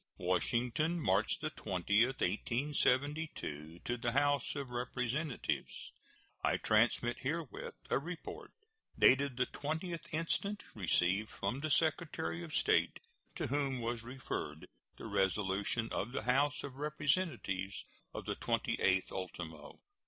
WASHINGTON, March 20, 1872. To the House of Representatives: I transmit herewith a report, dated the 20th instant, received from the Secretary of State, to whom was referred the resolution of the House of Representatives of the 28th ultimo.